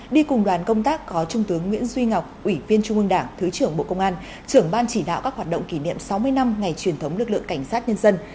đi cùng đoàn công tác có trung tướng nguyễn duy ngọc ủy viên trung ương đảng thứ trưởng bộ công an trưởng ban chỉ đạo các hoạt động kỷ niệm sáu mươi năm ngày truyền thống lực lượng cảnh sát nhân dân